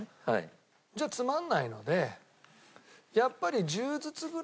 つまんないのでやっぱり。